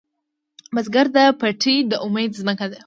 بزګر ته پټی د امید ځمکه ده